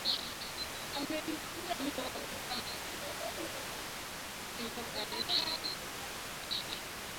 অতএব এই সমগ্র ব্রহ্মাণ্ড এই জগতেরই সূক্ষ্মাবস্থা হইতে সৃষ্ট হইয়াছে।